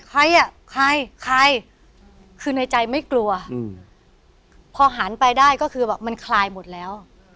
ใครอ่ะใครใครคือในใจไม่กลัวอืมพอหันไปได้ก็คือแบบมันคลายหมดแล้ว